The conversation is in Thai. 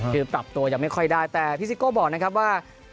คือปรับตัวยังไม่ค่อยได้แต่พี่ซิโก้บอกนะครับว่า